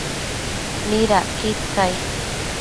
¿midacquid cai ?